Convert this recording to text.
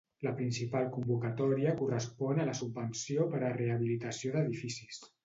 La principal convocatòria correspon a la subvenció per a rehabilitació d’edificis.